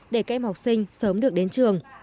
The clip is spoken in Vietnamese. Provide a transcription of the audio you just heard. để các em học sinh sớm được điện thoại